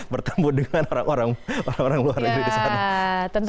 bertemu dengan orang orang luar negeri di sana